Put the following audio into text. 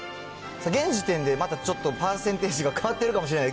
現時点でまたちょっと、パーセンテージが変わってるかもしれない。